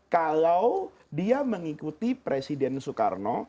kalau dia mengikuti presiden soekarno